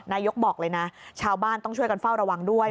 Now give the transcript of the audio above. นายกบอกเลยนะชาวบ้านต้องช่วยกันเฝ้าระวังด้วย